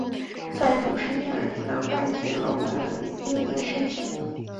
在主申请人的外籍劳工移民申请。